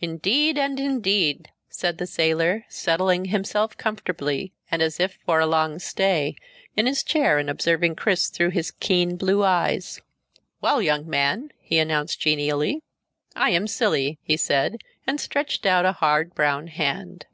"Indeed and indeed!" said the sailor, settling himself comfortably, and as if for a long stay, in his chair and observing Chris through his keen blue eyes. "Well, young man," he announced genially, "I am Cilley," he said, and stretched out a hard brown hand.